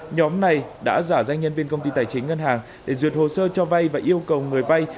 nhóm này đã giả danh nhân viên công ty tài chính ngân hàng để duyệt hồ sơ cho vay và yêu cầu người vay